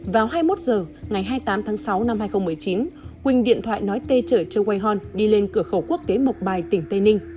vào hai mươi một h ngày hai mươi tám tháng sáu năm hai nghìn một mươi chín quỳnh điện thoại nói tê chở quay đi lên cửa khẩu quốc tế mộc bài tỉnh tây ninh